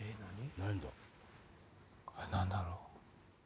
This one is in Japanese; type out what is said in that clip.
何だろう？